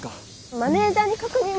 マネージャーに確認を。